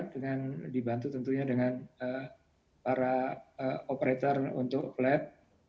dengan dibantu tentunya dengan para operator untuk lab